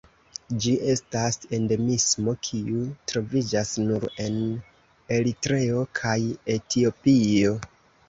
Ĝi estas endemismo kiu troviĝas nur en Eritreo kaj Etiopio.